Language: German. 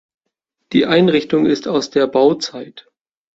Die Einrichtung ist aus der Bauzeit.